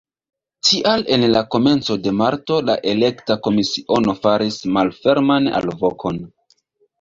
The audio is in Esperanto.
Tial en la komenco de marto la elekta komisiono faris malferman alvokon.